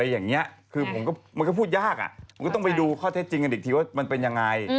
มันก็พูดยากอ่ะผมก็ต้องไปดูข้อเท็จจริงอื่นอีกทีว่ามันเป็นยังไง